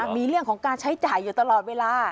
มีเรื่องของการใช้จ่ายอยู่ตลอดเวลา